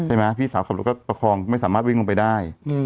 พี่สาวขับรถก็ประคองไม่สามารถวิ่งลงไปได้